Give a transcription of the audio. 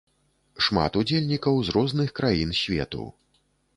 Шмат удзельнікаў з розных краін свету.